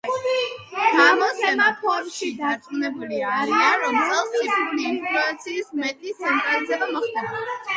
გამოცემა „ფორბსში“ დარწმუნებული არიან, რომ წელს ციფრული ინფორმაციის მეტი ცენტრალიზება მოხდება.